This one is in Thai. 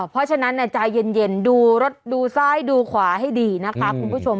เพราะฉะนั้นใจเย็นดูรถดูซ้ายดูขวาให้ดีนะคะคุณผู้ชม